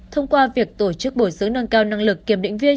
thông qua việc tổ chức bồi dưỡng nâng cao năng lực kiểm định viên